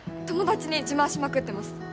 友達に自慢しまくってます